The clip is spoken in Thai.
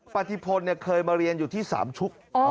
ปฏิพลเคยมาเรียนอยู่ที่สามชุก